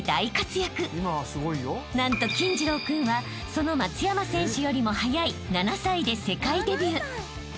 ［何と金次郎君はその松山選手よりも早い７歳で世界デビュー］